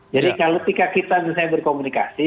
jadi kalau ketika kita berkomunikasi